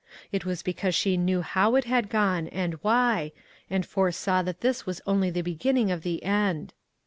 It was because she knew how it had gone, and why, and fore saw that this was only the beginning of the end.